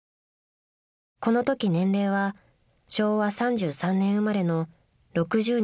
［このとき年齢は昭和３３年生まれの６２歳でした］